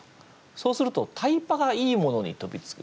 そうするとタイパがいいものに飛びつく。